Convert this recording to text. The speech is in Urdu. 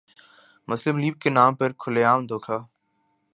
مسلم لیگ کے نام پر کھلے عام دھوکہ ۔